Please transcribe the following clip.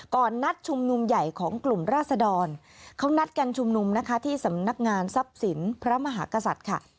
ก่อนนัดชุมนุมใหญ่ของกลุ่มราศดรเขานัดกันชุมนุมนะคะที่สำนักงานทรัพย์สินพระมหากษัตริย์ค่ะ